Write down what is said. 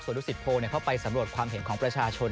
นุสิตโพลเข้าไปสำรวจความเห็นของประชาชน